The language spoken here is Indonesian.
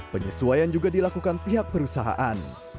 penyesuaian juga dilakukan pihak perusahaan